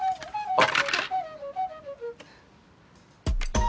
あっ。